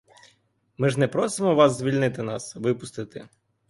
Ми ж не просимо вас звільнити нас, випустити.